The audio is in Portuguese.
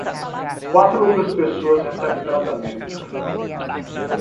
Quatro outras pessoas recebem tratamento.